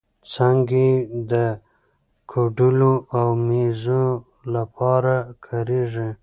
څانګې یې د کوډلو او مېزو لپاره کارېږي.